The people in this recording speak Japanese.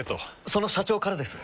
その社長からです。